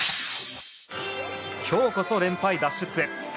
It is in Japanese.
今日こそ連敗脱出へ。